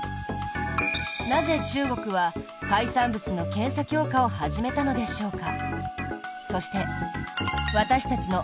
なぜ中国は海産物の検査強化を始めたのでしょうか？